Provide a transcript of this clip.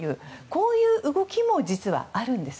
こういう動きも実はあるんです。